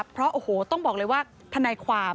เพราะโอ้โหต้องบอกเลยว่าทนายความ